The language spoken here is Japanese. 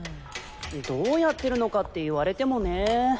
どうやってるのかって言われてもね。